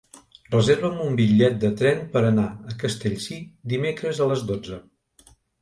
Reserva'm un bitllet de tren per anar a Castellcir dimecres a les dotze.